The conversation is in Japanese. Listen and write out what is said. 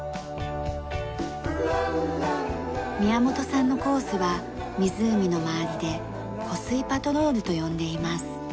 宮本さんのコースは湖の周りで湖水パトロールと呼んでいます。